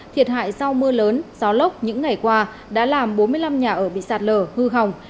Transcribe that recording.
thiệt hại do mưa lớn gió lốc những ngày qua đã làm bốn mươi năm nhà ở bị sạt lở hư hỏng